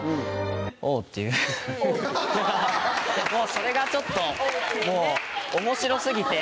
それがちょっともう面白過ぎて。